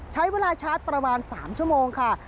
ใช้เวลาชาร์จประมาณ๓ชั่วโมงค่ะ